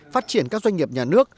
phát triển các doanh nghiệp nhà nước